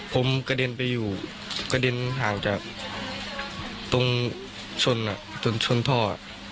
ผมกระเด็นไปอยู่กระเด็นห่างจากตรงชนจนชนท่อ